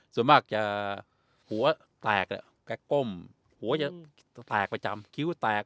ส่วนมากจะหัวแตกแกก้มหัวจะแตกประจำคิ้วแตก